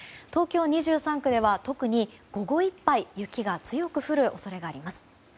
東京２３区では特に午後いっぱい雪が強く降る恐れがあります。